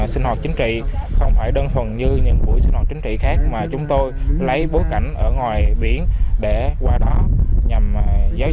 sinh hoạt chính trị dưới trọn lời thề đảm viên trò chơi giải mật thư thanh niên về biển đảo